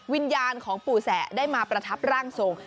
วิญญาณของปู่แสะได้มาประทับร่างทรง